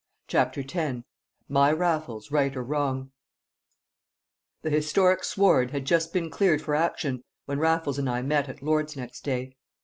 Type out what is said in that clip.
CHAPTER X "My Raffles Right or Wrong" The historic sward had just been cleared for action when Raffles and I met at Lord's next day.